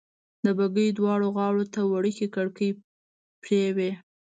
د بګۍ دواړو غاړو ته وړې کړکۍ پرې وې.